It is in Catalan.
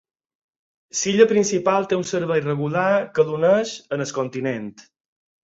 L'illa principal té un servei regular que l'uneix al continent.